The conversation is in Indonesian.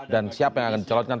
dan siapa yang akan dicelotkan